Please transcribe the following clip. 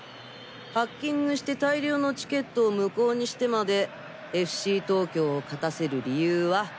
ハッキングして大量のチケットを無効にしてまでＦＣ東京を勝たせる理由は？